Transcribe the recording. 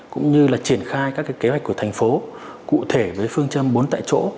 cũng như là triển khai các kế hoạch của thành phố cụ thể với phương châm bốn tại chỗ